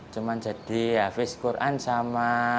cuma jadi hafiz quran sama